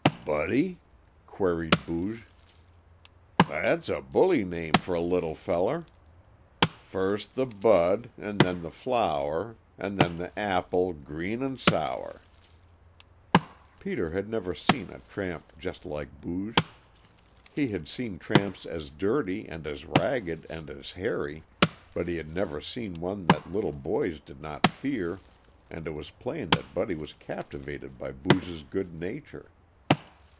"Buddy?" queried Booge. "That's a bully name for a little feller. First the Bud, an' then the Flower, an' then the Apple green an' sour." Peter had never seen a tramp just like Booge. He had seen tramps as dirty, and as ragged, and as hairy, but he had never seen one that little boys did not fear, and it was plain that Buddy was captivated by Booge's good nature.